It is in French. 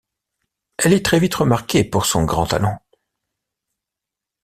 Elle est très vite remarquée pour son grand talent.